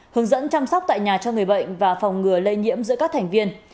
hướng dẫn chăm sóc tại nhà cho người bệnh và phòng ngừa lây nhiễm giữa các thành viên